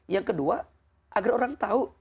yang kedua agar orang tahu